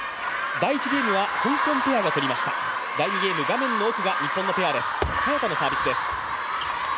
第１ゲームは香港ペアがとりました、第２ゲーム画面の奥が日本のペアです。